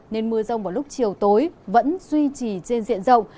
nên mưa rông vào lúc chiều tối vẫn duy trì trên diện rộng